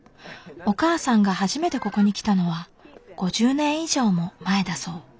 お母さんが初めてここに来たのは５０年以上も前だそう。